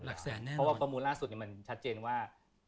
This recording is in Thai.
เพราะว่าข้อมูลล่าสุดมันชัดเจนว่า